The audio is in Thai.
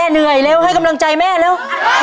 อุ้ยพ่อแม่เหนื่อยเร็วให้กำลังใจแม่เร็ว